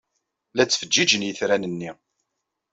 La ttfeǧǧiǧen yitran-nni.